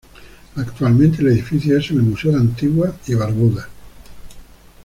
Actualmente el edificio es el Museo de Antigua y Barbuda.